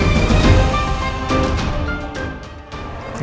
kedua kali kemudian